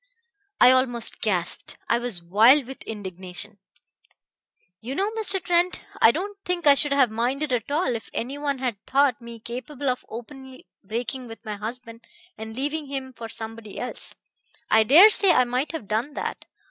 "I almost gasped. I was wild with indignation. You know, Mr. Trent, I don't think I should have minded at all if any one had thought me capable of openly breaking with my husband and leaving him for somebody else. I dare say I might have done that.